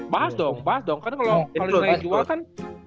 bahas dong bahas dong kan kalo yang lain jual kan